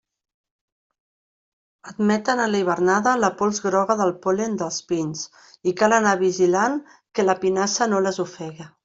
Admeten en la hivernada la pols groga del pol·len dels pins i cal anar vigilant que la pinassa no les ofegue.